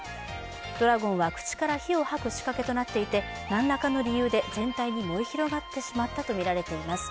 ドラゴンは口から火を吐く仕掛けとなっていて、何らかの理由で全体に燃え広がってしまったとみられています。